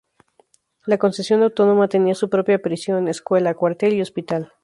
La concesión autónoma tenía su propia prisión, escuela, cuartel y hospital.